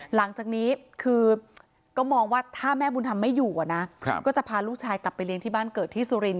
หลังจากนี้คือก็มองว่าถ้าแม่บุญธรรมไม่อยู่นะก็จะพาลูกชายกลับไปเลี้ยงที่บ้านเกิดที่สุรินท